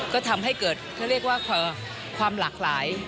ก็ทำให้เกิดความหลากหลาย